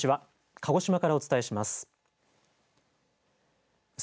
鹿児島からお伝えします。